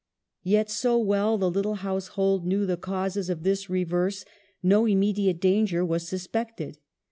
Yet, so well the little household knew the causes of this reverse, no immediate danger was suspected.